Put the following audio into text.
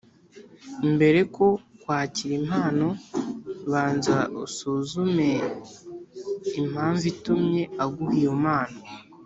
Mbere ko kwakira impano, banza usuzume impamvu itumye aguha iyo mpano